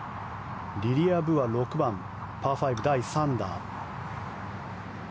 リリア・ブは６番、パー５、第３打。